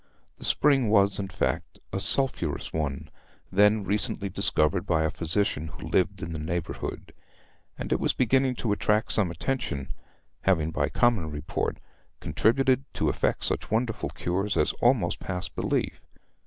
The spring was, in fact, a sulphurous one, then recently discovered by a physician who lived in the neighbourhood; and it was beginning to attract some attention, having by common report contributed to effect such wonderful cures as almost passed belief.